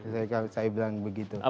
saya bilang begitu